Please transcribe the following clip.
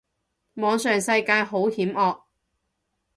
網上世界好險惡